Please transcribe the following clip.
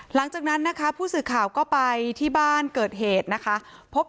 หลังจากนั้นนะคะผู้สื่อข่าวก็ไปที่บ้านเกิดเหตุนะคะ